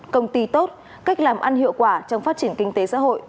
công ty tốt cách làm ăn hiệu quả trong phát triển kinh tế xã hội